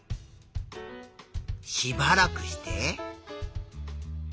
しばらくして。